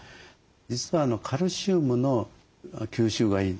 実はカルシウムの吸収がいいんですね。